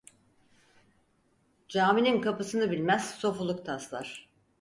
Caminin kapısını bilmez, sofuluk taslar.